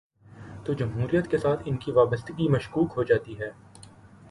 تو جمہوریت کے ساتھ ان کی وابستگی مشکوک ہو جا تی ہے۔